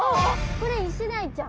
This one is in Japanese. これイシダイちゃん？